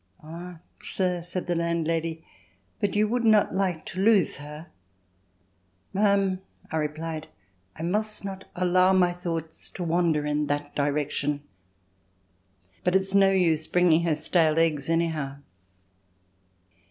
"Ah! sir," said the landlady, "but you would not like to lose her." "Ma'am," I replied, "I must not allow my thoughts to wander in that direction. But it's no use bringing her stale eggs, anyhow."